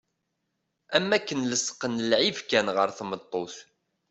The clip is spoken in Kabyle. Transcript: Am wakken lesqen lɛib kan ɣer tmeṭṭut.